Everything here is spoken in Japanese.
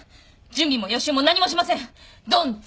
準備も予習も何もしません！